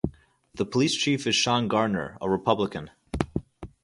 The police chief is Shaun Garner, a Republican.